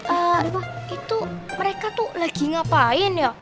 eh aduh itu mereka tuh lagi ngapain ya